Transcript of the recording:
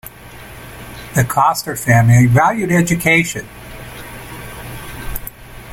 The Coster family valued education.